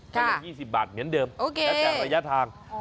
ก็ยัง๒๐บาทเหมือนเดิมแล้วแต่ระยะทาง